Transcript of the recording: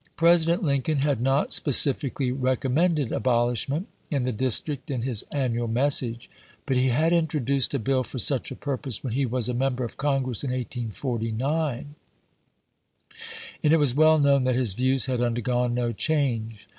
President Lincoln had not specifically recom mended abolishment in the District in his annual message ; but he had introduced a bill for such a purpose when he was a Member of Congress in 1849, and it was well known that his views had undergone no change.